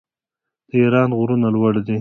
د ایران غرونه لوړ دي.